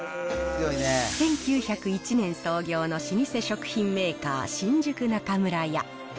１９０１年創業の老舗食品メーカー、新宿中村屋。